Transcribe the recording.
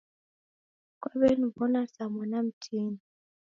Kwaw'eniw'ona saa mwana mtini.